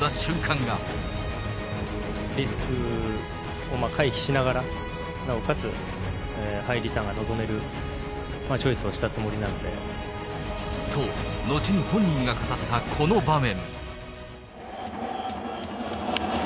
リスクを回避しながら、なおかつハイリターンが臨めるチョイスをしたつもりなんで。と、後に本人が語ったこの場面。